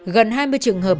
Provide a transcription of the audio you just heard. gần hai mươi trường hợp